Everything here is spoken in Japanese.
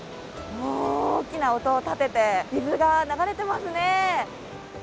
大きな音を立てて、水が流れてますね。